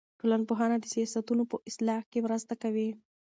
ټولنپوهنه د سیاستونو په اصلاح کې مرسته کوي.